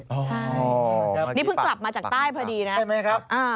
นี่เพิ่งกลับมาจากใต้พอดีนะ